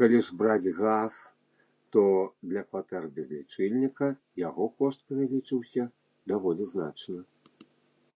Калі ж браць газ, то для кватэр без лічыльніка яго кошт павялічыўся даволі значна.